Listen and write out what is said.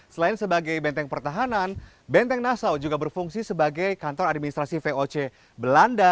selain sebagai benteng pertahanan benteng nasau juga berfungsi sebagai kantor administrasi voc belanda